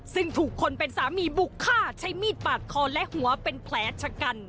ซึ่งถูกคนเป็นสามีบุกฆ่าใช้มีดปาดคอและหัวเป็นแผลชะกัน